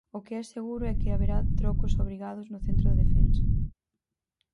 O que é seguro é que haberá trocos obrigados no centro da defensa.